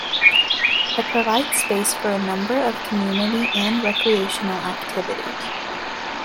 It provides space for a number of community and recreational activities.